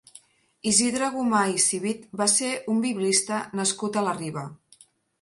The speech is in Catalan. Isidre Gomà i Civit va ser un biblista nascut a la Riba.